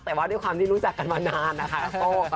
แต่ว่าด้วยความที่รู้จักกันมานานนะคะ